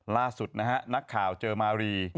ล่าสุดนะฮะนักข่าวเจอมารี